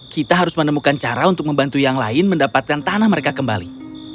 kita harus menemukan cara untuk membantu yang lain mendapatkan tanah mereka kembali